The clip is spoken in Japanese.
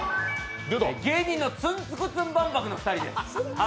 芸人のツンツクツン万博の２人です。